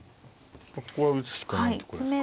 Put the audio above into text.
ここは打つしかないとこですか。